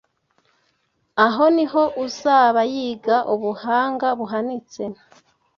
Aho ni ho uzaba yiga ubuhanga buhanitse